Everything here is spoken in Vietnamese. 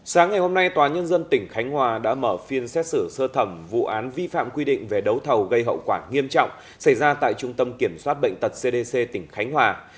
sáng ngày hôm nay tòa nhân dân tỉnh khánh hòa đã mở phiên xét xử sơ thẩm vụ án vi phạm quy định về đấu thầu gây hậu quả nghiêm trọng xảy ra tại trung tâm kiểm soát bệnh tật cdc tỉnh khánh hòa